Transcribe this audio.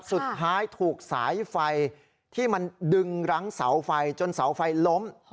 สุดท้ายถูกสายไฟที่มันดึงรั้งเสาไฟจนเสาไฟล้ม